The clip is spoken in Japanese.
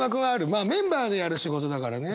まあメンバーでやる仕事だからね。